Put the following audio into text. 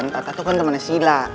tata tuh kan temennya sila